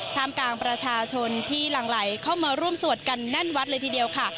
ท่ามกลางประชาชนที่หลั่งไหลเข้ามาร่วมสวดกันแน่นวัดเลยทีเดียวค่ะ